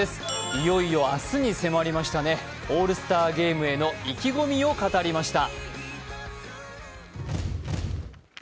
いよいよ明日に迫りましたね、オールスターゲームへの意気込みを語りました。